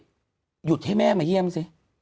คุณหนุ่มกัญชัยได้เล่าใหญ่ใจความไปสักส่วนใหญ่แล้ว